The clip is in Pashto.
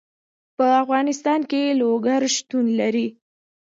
په افغانستان کې لوگر شتون لري.